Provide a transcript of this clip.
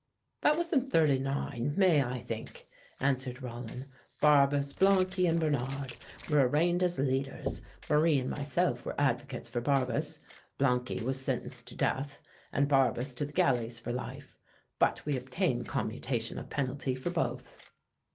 "That was in '39, May, I think," answered Rollin. "Barbes, Blanqui and Bernard were arraigned as leaders. Marie and myself were advocates for Barbes. Blanqui was sentenced to death and Barbes to the galleys for life. But we obtained commutation of penalty for both."